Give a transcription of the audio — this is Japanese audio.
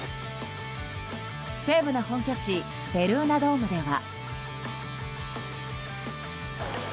西武の本拠地ベルーナドームでは。